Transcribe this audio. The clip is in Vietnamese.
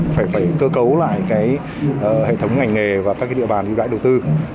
phải cơ cấu lại cái hệ thống ngành nghề và các cái địa bàn ưu đãi đầu tư